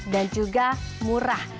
dan juga murah